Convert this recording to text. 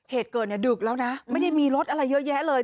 เหตุเกิดเนี่ยดึกแล้วนะไม่ได้มีรถอะไรเยอะแยะเลย